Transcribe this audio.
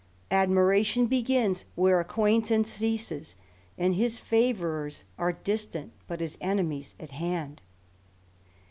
Admiration begins where J acquaintance ceases; and hia favourers are distant, but his J eDemiea at hand.